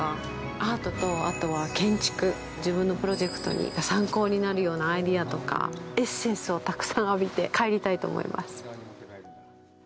アートと、あとは建築、自分のプロジェクトに参考になるようなアイデアとか、エッセンスをたくさん浴びて帰りたいと思います。